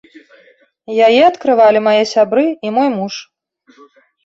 Яе адкрывалі мае сябры і мой муж.